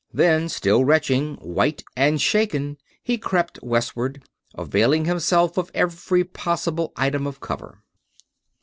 Then, still retching, white and shaken, he crept westward; availing himself of every possible item of cover.